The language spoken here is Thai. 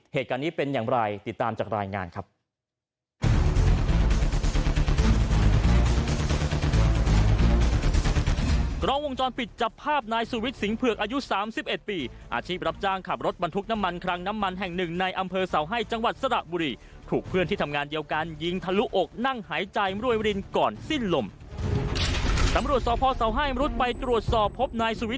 เหตุการณ์นี้เป็นอย่างไรติดตามจากรายงานครับ